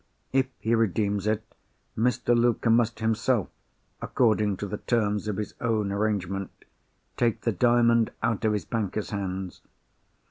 If he redeems it, Mr. Luker must himself—according to the terms of his own arrangement—take the Diamond out of his banker's hands.